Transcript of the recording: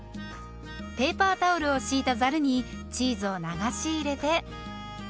ペーパータオルを敷いたざるにチーズを流し入れて。